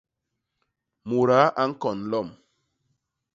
Mudaa a ñkon lom.